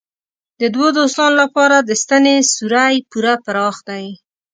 د دوو دوستانو لپاره د ستنې سوری پوره پراخ دی.